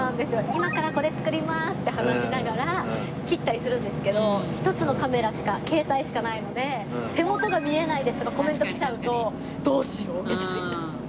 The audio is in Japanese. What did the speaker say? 「今からこれ作ります」って話しながら切ったりするんですけど１つのカメラしか携帯しかないので「手元が見えないです」とかコメント来ちゃうとどうしようみたいな。